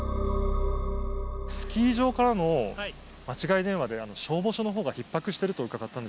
スキー場からの間違い電話で消防署のほうがひっ迫してると伺ったんですけど。